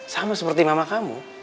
sama seperti mama kamu